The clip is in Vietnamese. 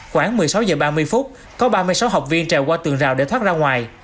khoảng một mươi sáu h ba mươi phút có ba mươi sáu học viên trèo qua tường rào để thoát ra ngoài